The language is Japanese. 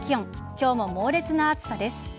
今日も猛烈な暑さです。